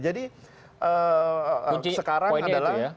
jadi sekarang adalah